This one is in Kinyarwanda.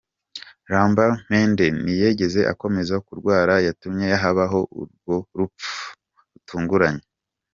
Lambert Mende ntiyigeze akomoza ku ndwara yatumye habaho uru rupfu rrutunguranye.